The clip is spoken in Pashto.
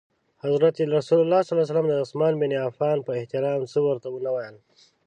حضرت رسول ص د عثمان بن عفان په احترام څه ورته ونه ویل.